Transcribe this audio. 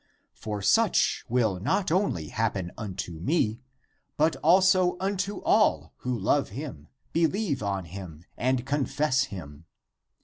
For such will not only happen unto me, but also unto all who love him, believe on him, and confess him.